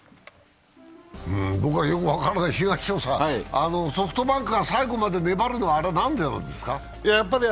僕はよく分からない、東尾さん、ソフトバンクが最後まで粘るのはなんでなんですか。